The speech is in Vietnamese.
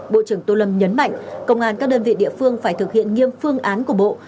bộ trưởng tô lâm nhấn mạnh công an các đơn vị địa phương phải thực hiện nghiêm phương án của bộ